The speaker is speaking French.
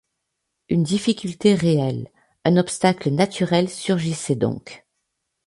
Une difficulté réelle, un obstacle naturel surgissait donc.